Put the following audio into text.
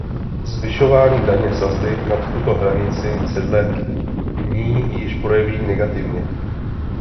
Zvyšování daňové sazby nad tuto hranici se dle ní již projeví negativně.